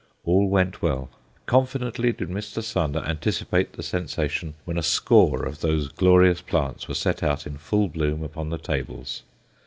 All went well. Confidently did Mr. Sander anticipate the sensation when a score of those glorious plants were set out in full bloom upon the tables.